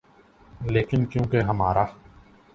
لیکن کیونکہ ہمارا